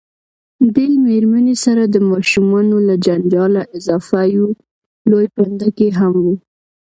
دې میرمنې سره د ماشومانو له جنجاله اضافه یو لوی پنډکی هم و.